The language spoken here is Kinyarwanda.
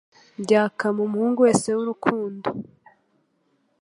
Byakama, umuhungu wese wurukundo